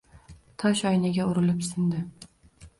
Toshoynaga urilib sindi